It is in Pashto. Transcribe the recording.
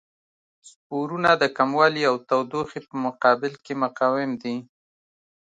سپورونه د کموالي او تودوخې په مقابل کې مقاوم دي.